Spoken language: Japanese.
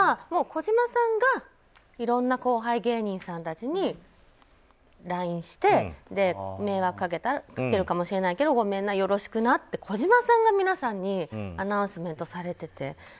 児嶋さんがいろんな後輩芸人さんたちにＬＩＮＥして迷惑かけるかもしれないけどごめんな、よろしくなって児嶋さんが皆さんにアナウンスメントされていて。